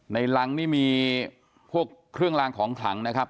รังนี่มีพวกเครื่องรางของขลังนะครับ